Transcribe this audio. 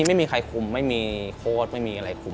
ไม่มีใครคุมไม่มีโค้ดไม่มีอะไรคุม